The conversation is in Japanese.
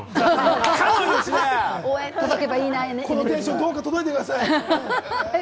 このテンション、どうか届いてください！